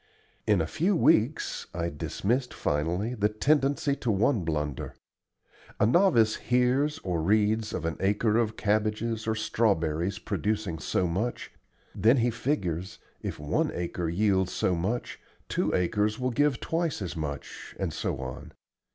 In a few weeks I dismissed finally the tendency to one blunder. A novice hears or reads of an acre of cabbages or strawberries producing so much. Then he figures, "if one acre yields so much, two acres will give twice as much," and so on.